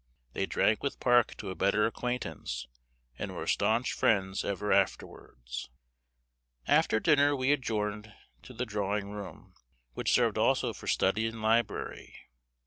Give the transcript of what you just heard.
They drank with Park to a better acquaintance, and were staunch friends ever afterwards. After dinner we adjourned to the drawing room, which served also for study and library.